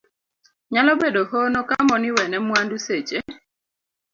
Nyalo bedo hono ka mon iwene mwandu seche